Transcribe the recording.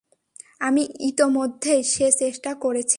আমি ইতোমধ্যেই সে চেষ্টা করেছি!